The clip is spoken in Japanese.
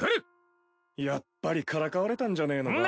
やっぱりからかわれたんじゃねえのか？